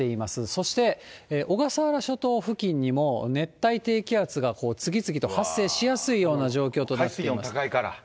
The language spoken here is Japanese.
そして小笠原諸島付近にも熱帯低気圧が次々と発生しやすいような海水温が高いから。